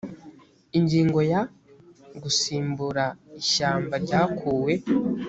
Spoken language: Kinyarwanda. ingingo ya…: gusimbura ishyamba ryakuwe